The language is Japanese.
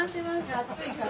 暑いから。